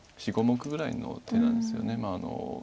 ４５目ぐらいの手なんですよね。